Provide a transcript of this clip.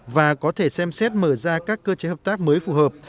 và có thể xem xét mở ra các cơ chế hợp tác mới phù hợp